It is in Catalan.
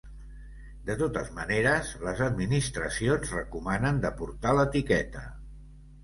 De totes maneres, les administracions recomanen de portar l’etiqueta.